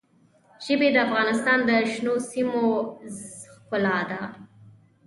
ژبې د افغانستان د شنو سیمو ښکلا ده.